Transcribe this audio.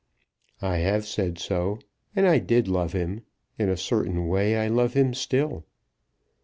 "I have said so, and I did love him. In a certain way I love him still."